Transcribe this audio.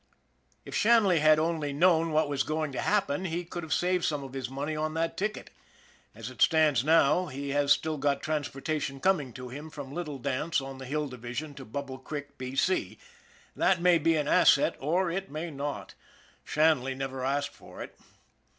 If Shanley had only known what was going to happen, he could have saved some of his money on that ticket. As it stands now, he has still got trans portation coming to him from Little Dance on the Hill Division to Bubble Creek, B. C. That may be an asset, or it may not Shanley never asked for it.